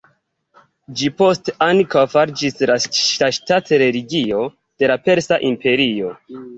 Ĝi poste ankaŭ fariĝis la ŝtat-religio de la Persa imperio.